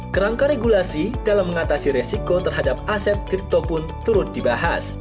kerangka regulasi dalam mengatasi resiko terhadap aset kripto pun turut dibahas